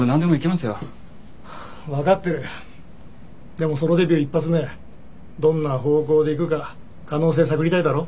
でもソロデビュー１発目どんな方向でいくか可能性探りたいだろ。